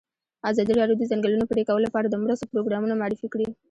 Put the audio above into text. ازادي راډیو د د ځنګلونو پرېکول لپاره د مرستو پروګرامونه معرفي کړي.